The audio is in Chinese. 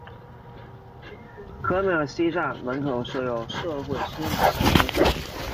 科梅尔西站门口设有社会车辆停车场。